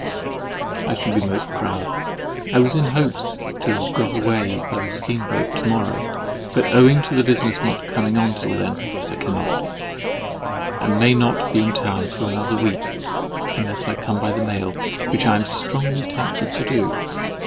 I should be most proud. I was in hopes to have got away by the Steam boat to morrow, but owing to the business not coming on till then, I cannot; and may not be in town for another week, unless I come by the Mail, which I am strongly tempted to do.